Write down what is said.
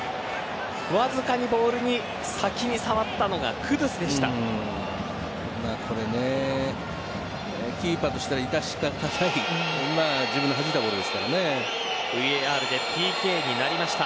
わずかにボールに先に触ったのがクドゥスでした。